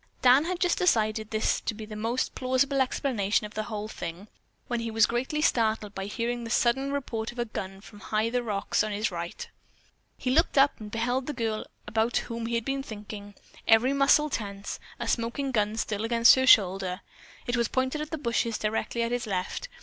Dan had just decided this to be the most plausible explanation of the whole thing, when he was greatly startled by hearing the sudden report of a gun from the high rocks at his right. He looked up and beheld the girl about whom he had been thinking, every muscle tense, a smoking gun still against her shoulder. It was pointed at the bushes directly at his left.